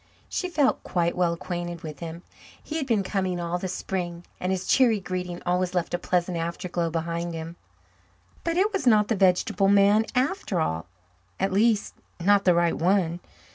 She felt quite well acquainted with him. He had been coming all the spring, and his cheery greeting always left a pleasant afterglow behind him. But it was not the vegetable man after all at least, not the right one.